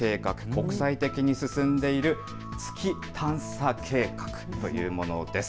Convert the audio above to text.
国際的に進んでいる月探査計画というものです。